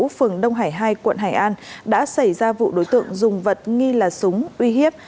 phường đông hải hai quận hải an đã xảy ra vụ đối tượng dùng vật nghi là súng uy hiếp